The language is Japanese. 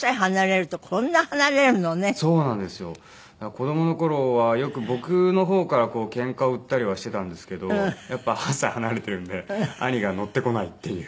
子供の頃はよく僕の方からケンカを売ったりはしていたんですけどやっぱり８歳離れているんで兄が乗ってこないっていう。